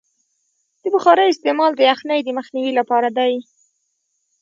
د بخارۍ استعمال د یخنۍ د مخنیوي لپاره دی.